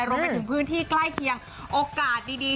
รวมไปถึงพื้นที่ใกล้เคียงโอกาสดี